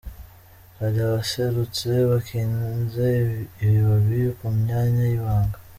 Hari abaserutse bakinze ibibabi ku myanya y’ibanga.